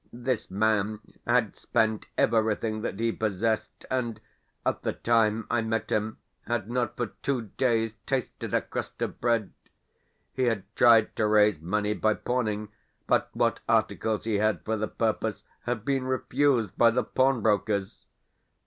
This man had spent everything that he possessed, and, at the time I met him, had not for two days tasted a crust of bread. He had tried to raise money by pawning, but what articles he had for the purpose had been refused by the pawnbrokers.